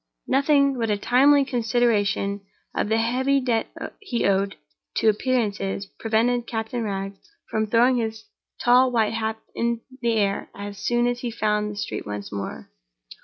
Nothing but a timely consideration of the heavy debt he owed to appearances prevented Captain Wragge from throwing his tall white hat up in the air as soon as he found the street once more.